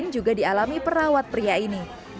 juga dialami perawat pria ini